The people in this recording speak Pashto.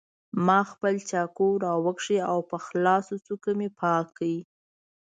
ما خپل چاقو راوکېښ او په خلاصو څوکو مې پاک کړ.